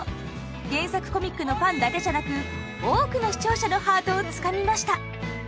原作コミックのファンだけじゃなく多くの視聴者のハートをつかみました。